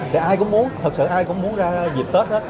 thì ai cũng muốn thật sự ai cũng muốn ra dịp tết hết